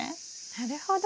なるほど。